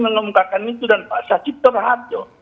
mengumumkakan itu dan pak sachit terhato